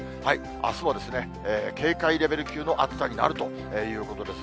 あすもですね、警戒レベル級の暑さになるということです。